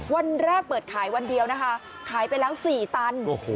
วันแรกเปิดขายวันเดียวนะคะขายไปแล้ว๔ตัน